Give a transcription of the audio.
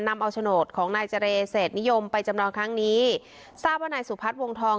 นำเอาโฉนดของนายเจรเศษนิยมไปจำนองครั้งนี้ทราบว่านายสุพัฒน์วงทอง